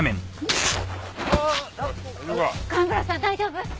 大丈夫か？